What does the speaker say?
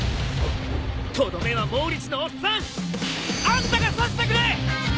とどめはモーリスのおっさんあんたがさしてくれ！